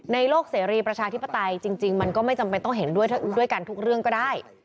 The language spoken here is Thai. โลกเสรีประชาธิปไตยจริงมันก็ไม่จำเป็นต้องเห็นด้วยด้วยกันทุกเรื่องก็ได้